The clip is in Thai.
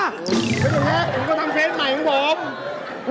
ฉันจะแฮกฉันก็ทำเซ็นต์ใหม่ของผม